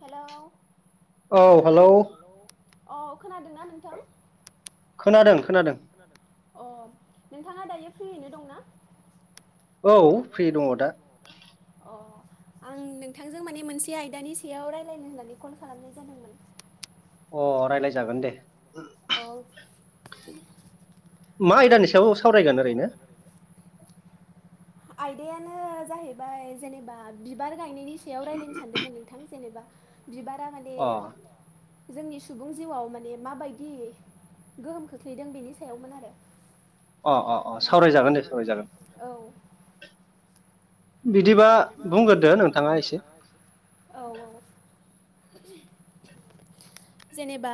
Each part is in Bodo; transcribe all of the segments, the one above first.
हेलौ औ खोनादोंना नोंथां? खोनादों खोनादों अ नोंथाङा दायो फ्रियैनो दंना? औ फ्रि दङ दा। अ आं नोंथांजों माने मोनसे आयदानि सायाव रायज्लायनो होननानै कल खालामनाय जादोंमोन अ रायज्लाय जागोन दे अ आरो मा आयदानि सायाव सावरायगोन ओरैनो आयदायानो जाहैबाय जेनेबा बिबार गायनायनि सायाव रायज्लायनो सानदोंमोन नोंथां जेनेबा बिबारा माने जोंनि सुबुं जिउआव माने माबायदि गोहोम खोख्लैदों बेनि सायावमोन आरो। सावरायजागोन दे औ। बिदिबा बुंग्रोदो नोंथाङा एसे औ औ जेनेबा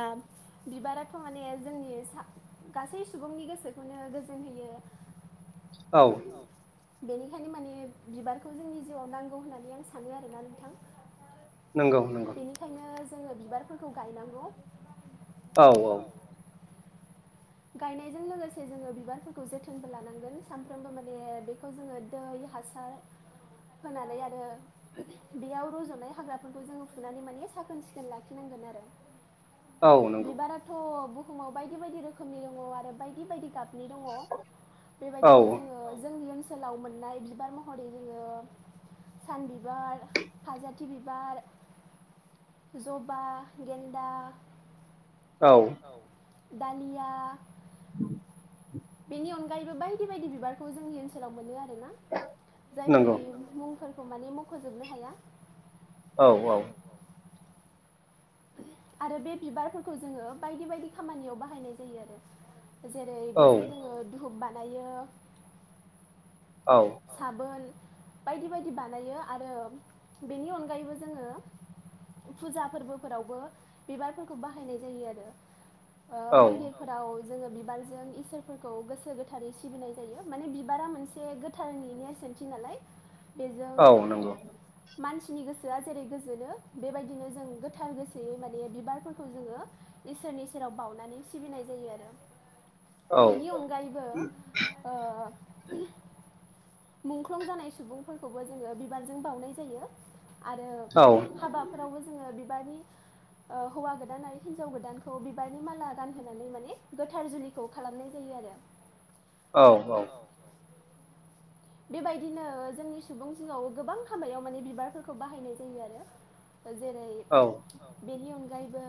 बिबाराथ' माने जोंनि सा गासै सुबुंनि गोसोखौनो गोजोन होयो। औ। औ बेनिखायनो माने बिबारखौ जोंनि जिउआव नांगौ होननानै आं सानो आरोना नोंथां। नोंगौ नों बेनिखायनो जोङो बिबारफोरखौ गायनांगौ औ औ गायनायजों लोगोसे जोङो बिबारफोरखौ जोथोनबो लानांगोन सानफ्रोमबो माने बेखौ जोङो। दै हासार होनानै आरो। बेयाव रज'नाय हाग्राफोरखौ जोङो फुनानै माने साखोन सिखोन लाखिनांगोन आरो। औ बिबाराथ' बुहुमाव बायदि बायदि रोखोमनि दङ आरो बायदि बायदि गाब। नै दङ बेबायदिनो जोङो ओ जोंनि ओनसोल ओनसोलाव मोननाय बिबार महरै जोङो सान बिबार फाजाथि बिबार जबा गेन्दा औ। दालिया बेनि अनगायैबो बायदि बायदि बिबारखौ जोंनि ओनसोलाव मोनो आरोना औ जायफोरनि। मुंफोरखौ माने मख'जोबनो हाया औ औ आरो बे बिबारफोरखौ जोङो बायदि बायदि खामानियाव बाहायनाय जायो आरो। जेरै बेजों जोङो ओ धुप बानायो औ औ साबोन बायदि बायदि बानायो आरो बेनि अनगायैबो जोङो फुजा फोरबोफोरावबो बिबारफोरखौ बाहायनाय जायो आरो ओ मन्दिर फोराव जोङो बिबारजों इसोरफोरखौ गोसो गोथारै सिबिनाय जायो माने बिबारा मोनसे थारैनि एसेन्थि नालाय बेजों औ। मानसिनि गोसोआ जेरै गोजोनो बेबायदिनो जों गोथार गोसोयै माने बिबारफोरखौ जोङो। इसोरनि सेराव बाउनानै सिबिनाय जायो आरो बेनि अनगायैबो ओ मुंख्लं जानाय सुबुंफोरखौबो जोङो बिबारजों बावउनाय जायो आरो हाबाफोरावबो जोङो बिबारनि ओ हौवा गोदान आरो हिनजाव गोदानखौ बिबारनि माला गानहोनानै माने गोथार जुलि खौ खालामनाय जायो आरो। औ औ। बेबायदिनो जोंनि सुबुं जिङाव गोबां खामायाव माने बिबारफोरखौ बाहायनाय जायो आरो जेरै औ बेनि अनगायैबो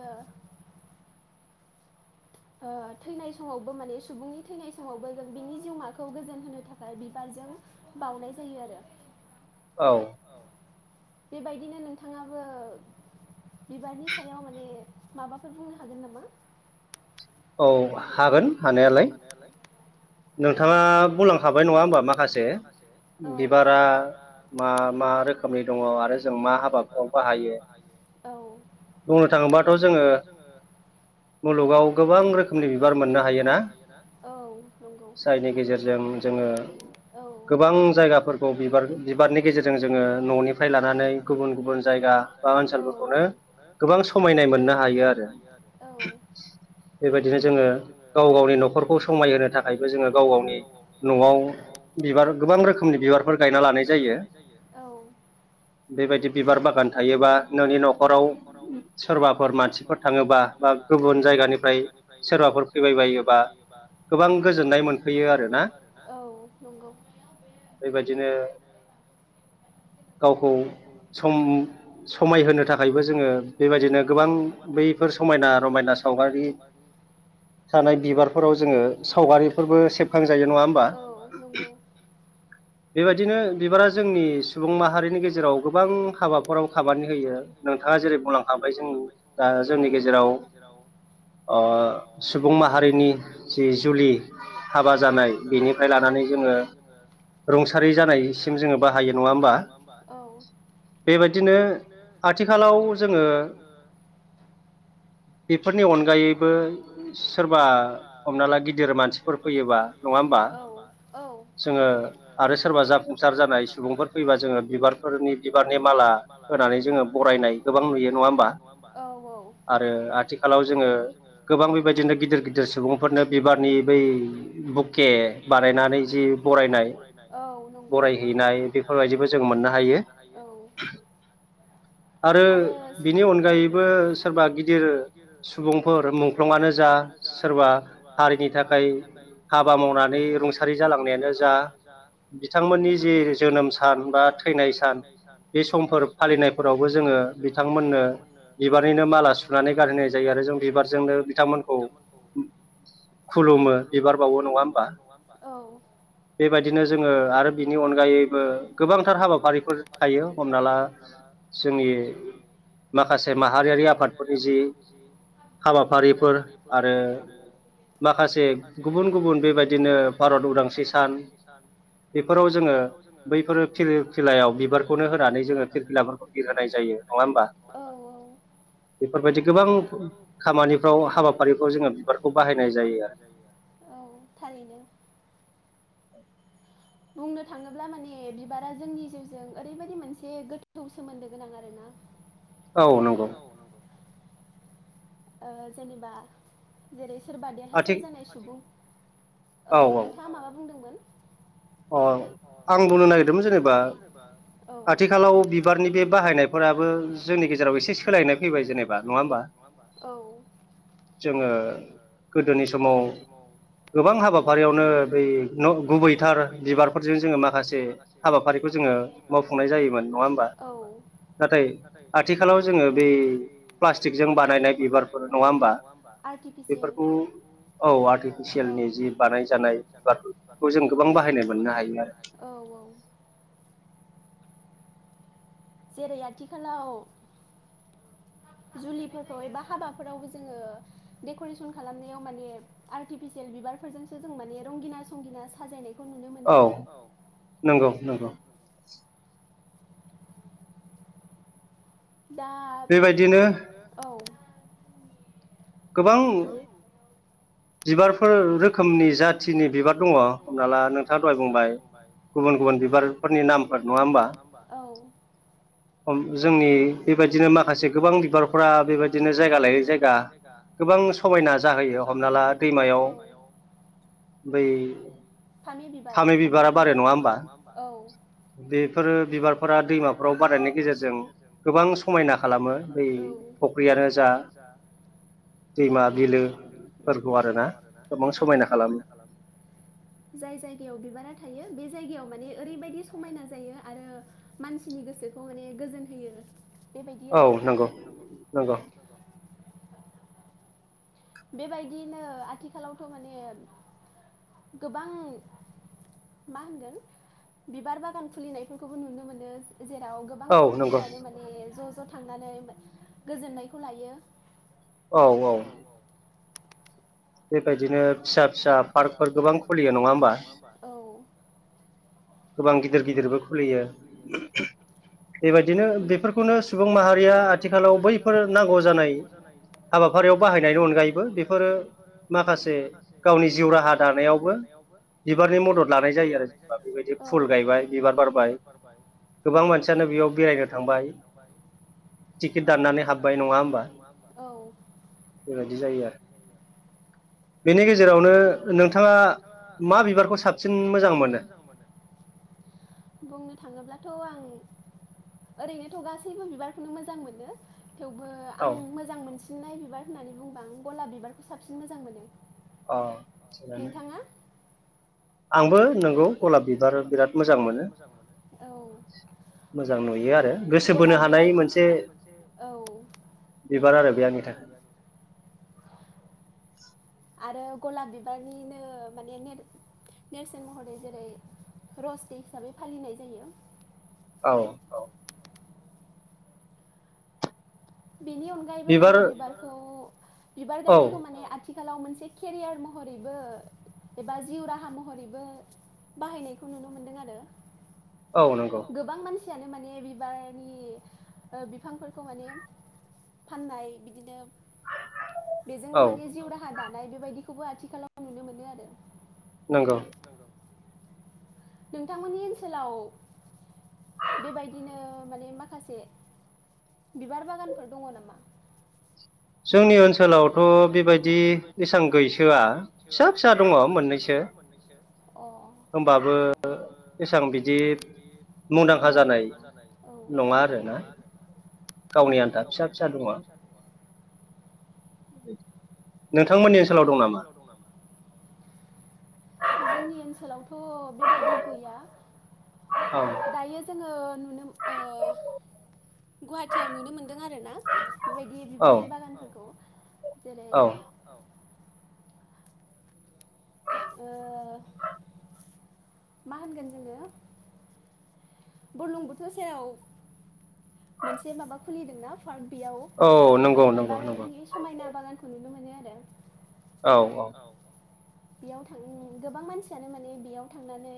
थैनाय समावबो माने सुबुंनि थैनाय समावबो जों बिनि जिउमाखौ गोजोन होनो थाखाय बिबारजों बावनाय जायो आरो औ बेबायदिनो नोंथाङाबो बिबारनि सायाव माने माबाफोर बुंनो हागोन नामा? औ हागोन हानायालाय दालाय औ नोंथाङा बुंलांखाबाय नङा होमबा माखासे औ औ बिबारा मा मा रोखोमनि दङ आरो जों मा हाबाफ्राव बाहायो। औ बुंनो थाङोबाथ' जोङो मुलुगाव गोबां रोखोमनि बिबार मोननो हायोना जायनि गेजेरजों जोङो गोबां जायगाफोरखौ बिबार बिबारनि गेजेरजों जोङो न'निफ्राय लानानै गुबुन गुबुन जायगा बा ओनसोलफोरखौनो गोबां समायनाय मोननो हायो आरो औ बेबायदिनो जोङो गाव गावनि न'खरखौ समायहोनो थाखायबो जोङो गाव गावनि न'आव न'आव बिबार गोबां रोखोमनि बिबारफोर गायना लानाय जायो औ बेबायदि बिबार बागान थायोबा नोंनि न'खराव सोरबाफोर मानसिफोर थाङोबा बा गुबुन जायगानिफ्राय सोरबाफोर फैबायबायोबा गोबां गोजोननाय मोनफैयो आरोना बेबायदिनो गावखौ सम समायहोनो थाखायबो जोङो बेबायदिनो गोबां बैफोर समायना रमायना सावगारि थानाय बिबारफोराव जोङो सावगारिफोरबो सेबखांजायो नङा होमबा। बेबायदिनो बिबारा जोंनि सुबुं माहारिनि गेजेराव गोबां हाबाफोराव खामानि होयो। नोंथाङा जेरै बुंलांखाबाय जों दा जोंनि गेजेराव अ बा सुबुं माहारिनि जि जुलि हाबा जानाय बेनिफ्राय लानानै जोङो जोङो रुंसारि जानायसिम जोङो बाहायो नङा होमबा औ बेबायदिनो आथिखालाव जोङो बेफोरनि अनगायैबो सोरबा हमना ला गिदिर मानसिफोर फैयोबा नङा होमबा जोङो आरो सोरबा जाफुंसार जानाय सुबुंफोर फैबा जोङो बिबारफोरनि बिबारनि माला होनानै जोङो बरायनाय गोबां नुयो नङा होमबा। औ औ आरो जोङो गोबां बेबायदिनो गिदिर गिदिर सुबुंफोरनो बिबारनि बै बु बुके बानायनानै जि बरायनाय औ नंगौ बरायहैनाय बेफोरबयदिबो जों मोननो हायो। औ आरोस ओं आरो बिनि अनगायैबो सोरबा सुबुंफोर मुंख्लंआनो जा सोरबा आरिनि थाखाय हाबा मावनानै रुंसारि जालांनायानो जा बिथांमोननि जि जोनोम सान बा थैनाय सान बे समफोर फालिनाय फोरावबो जोङो बिथांमोननो बिबारनिनो माला सुनानै गारहोनाय जायो आरो जो बिबारजोंनो बिथांमोनखौ खुलुमो बिबार बावो नङा होनबा औ बेबायदिनो जोङो आरो बिनि अनगायैबो गोबांथार हाबाफारिफोर थायो हमना ला जोंनि माखासे माहारियारि आफादफोरनि जि हाबाफारिफोर आरो माखासे गुबुन गुबुन बेबायदिनो भारत उदांस्रि सान बेफोराव जोङो बैफोरो फिरफिलायाव बिबारखौनो होनानै जोङो फिरफिलाफोरखौ बिरहोनाय जायो नङा होमबा बेफोरबायदि गोबां खामानिफ्राव हाबाफारिफ्राव जोङो बिबारखौ बाहायनाय जायो आरो। औ थारैनो। [inaudible] [unintelligible] बुंनो थाङोब्ला माने बिबारा जोंनि जिउजों ओरैबायदि मोनसे गोथौ सोमोन्दो गोनां आरो ना। [inaudible] औ नंगौ। औ नंगौ ओ जेनेबा जेरै सोरबा देरहासार जानाय सुबुं औ नोंथाङा माबा बुंदोंमोन? अ आं बुंनो नागिरदोंमोन जेनेबा आथिखालाव बिबारनि बे बाहायनाय फोराबो जोंनि गेजेराव एसे सोलायनाय फैबाय जेनेबा नङा होमबा? औ जोङो गोदोनि समाव गोबां हाबाफारियावनो बै न गुबैथार बिबारफोरजों जोङो माखासे हाबाफारिखौ जोङो मावफुंनाय जायोमोन नङा होमबा? नाथाय आथिखालाव जोङो बै प्लास्टिकजों बानायनाय बिबारफोर नङा होमबा? आर्टिफिसियेल औ आर्टिफिसियेलनि जि बानाय जानाय बिबारखौ जों गोबां बाहायनो औ औ जेरै आथिखालाव जुलिफोरखौ एबा हाबाफोरावबो जोङो डेक'रेसन खालामनायाव माने आर्टिफिसियेल बिबारफोरजोंसो जों माने रंगिना संगिना साजायनाय खौ नुनो मोनो आरो औ नंगौ। दा बेबायदिनो औ। गोबां बिबारफोर रोखोमनि जाथिनि बिबार दङ हमना ला नोंथाङा दहाय बुंबाय गुबुन गुबुन बिबारफोरनि नामफोर नङा होमबा? खम जोंनि बेबायदिनो माखासे गोबां बिबारफ्रा बेबायदिनो जायगा लायै जायगा गोबां समायना जाहोयो हमना ला। औ बै फामि बिबार थब्ल' बिबारा बारो नङा होनबा औ। बेफोरो बिबारफोरा दैमाफोराव बारायनायनि गेजेरजों गोबां समायना खालामो दै थ खैय आरो जा जा दैमा बिलोफोरखौ आरोना गोबां समायना खालामो। जाय जायगायाव बिबारा थायो बे जायगायाव माने ओरैबायदि समायना जायो आरो मानसिनि गोसोखौ माने गोजोन होयो। औ नंगौ नंगौ। बेबायदियैनो आथिखालावथ' माने गोबां मा होनगोन बिबार बागान खुलिनायफोरखौबो नुनो मोनो। जेराव गोबां सुबुंफोरानो माने ज' ज' थांनानै गोजोननायखौ लायो। औ औ। बेबायदिनो फिसा फिसा पार्कफोर गोबां खलियो नङा होमबा। औ गोबां गिदिर गिदिरबो खुलियो। [unintelligible] बेबायदिनो बेफोरखौनो सुबुं माहारिया आथिखालाव बैफोर नांगौ जानाय हाबाफारियाव बाहायनायनि अनगायैबो बेफोरो माखासे गावनि जिउ राहा दानायावबो बिबारनि मदद लानाय जायो आरो जेनेबा बेबायदि फुल गायबाय बिबार बारबाय गोबां मानसि गोबां मानसियानो बेयाव बेरायनो थांबाय। जिख दाननानै हाब्बाय नङा होनबा औ। बेबायदि जायो आरो। बेनि गेजेरावनो नोंथाङा मा बिबारखौ साबसिन मोजां मोनो? बुंनो थाङोब्लाथ' आं ओरैनोथ' गासैबो बिबारखौनो मोजां मोनो थेवबो आं मोजां मोनसिननाय बिबार होननानै बुंबा आं गलाब बिबारखौ साबसिन मोजां मोनो अ नोंथाङा आंबो नोंगौ गलाब बिबार बिराद मोजां मोनो औ मोजां नुयो आरो गलाब बिबारखौ औ बिबार आरो [unintelligible] आरो गलाब बिबारनिनो माने नेरसोन महरै जेरै रस दे हिसाबै फालिनाय जायो औ बेनि अनगायैबो माने बिबारखौ बिबार गायनायखौ माने आथिख खालाव मोनसे केरियार महरैबो एबा जिउ राहा महरैबो बाहायनायखौ नुनो मोनदों आरो औ नंगौ गोबां मानसियानो माने बिबारनि बिफांफोरखौ माने फाननाय बिदिनो बेजोंनो माने जिउ राह हा दानाय बेबायदिखौबो आथिखालाव नुनो मोनो आरो नंगौ नोंथांमोननि ओनसोलाव बेबायदिनो माने माखासे बिबार बागानफोर दङ नामा जोंनि ओनसोलावथ' बेबायदि एसां गैसोआ फिसा फिसा दङ मोननैसो होनबाबो एसां बिदि मुंदांखा जानाय नङा आरो ना गावनि आन्था फिसा फिसा दङ नोंथांमोननि ओनसोलाव दं नामा जोंनि ओनसोलावथ' बेबायदि गैया औ दायो जोङो नुनो गुवाहाटियाव नुनो मोनदों आरोना बेबायदि बिबारनि बागानफोरखौे जेरै औ ओ मा होनगोन जोङो बरलं बोथोर सायाव मोनसे माबा खुलिदोंनाा फार्म बेयाव माने बिबारनि समायना बागानखौ नुनो मोनो आरो औ-औ बेयाव थां गोबां मानसियानो माने बेयाव थांनानै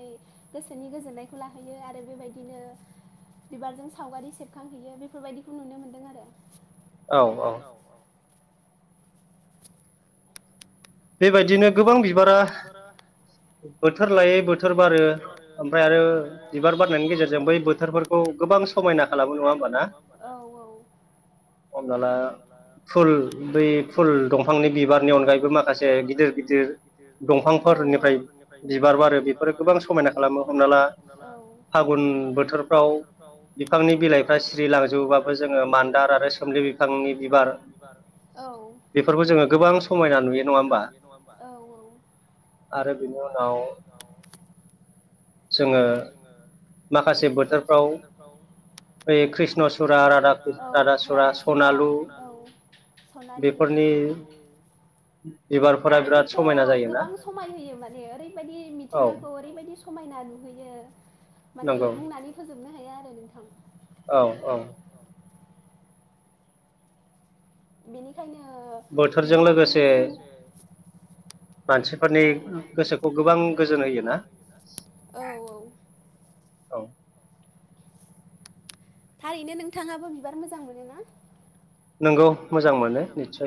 गोसोनि गोजोननायखौ लाहैयो आरो बेबायदिनो बिबारजों सावगारि सेब खांहैयो बेफोरबायदिखौ नुनो मोन्दों आरो औ-औ औ बेबायदिनो गोबां बिबारा बोथोर लायै बोथोर बारो ओमफ्राय आरो बिबार बारनायनि गेजेरजों बै बोथोरफोरखौ गोबां औ औ। हमना ला फुल बै फुल दंफांनि बिबारनि अनगायैबो माखासे गिदिर ओ गिदिर गिदिरनिफ्राय बिबार बारो आरो बेफोरो गोबां समायना खालामो हमना ला। फागुन बोथोरफ्राव बिफांनि बिलाइफ्रा सिरिलांजोबबाबो जोङो मान्दार आरो औ। समायना नुयो नङा होमबा औ औ। आरो बिनि उनाव जोङो माखासे बोथोरफ्राव औ राधा सुरा सनालि बिबारफोर बेफोरथ' गोबां समाय होयो माने ओरैबायदि मिथिंगाखौ ओरैबायदि समायना नुहोयो। माने बुंनानै फोजोबनो हाया आरो नोंथां। औ औ। बेनिखायनो बोथोरजों लोगोसे मानसिफोरनि गोसोखौ गोबां गोजोन होयोना। औ औ। औ। थारैनो नोंथाङाबो बिबार मोजां मोनोना? नंगौ मोजां मोनो निसय।